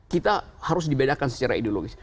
kita harus dibedakan secara ideologis